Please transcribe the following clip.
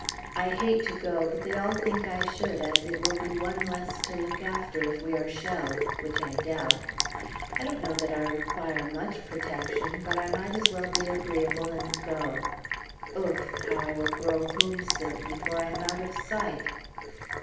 I hate to go, but they all think I should, as it will be one less to look after if we are shelled which I doubt. I don't know that I require much protection, but I might as well be agreeable and go. Ouf! how I will grow homesick, before I am out of sight!